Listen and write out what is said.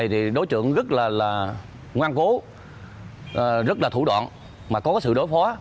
thì đối tượng rất là ngoan cố rất là thủ đoạn mà có sự đối phó